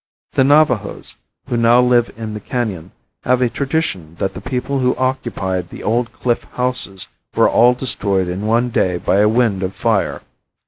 The Navajos, who now live in the canon, have a tradition that the people who occupied the old cliff houses were all destroyed in one day by a wind of fire.